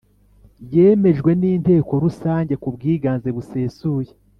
yemejwe n Inteko Rusange kubwiganze busesuye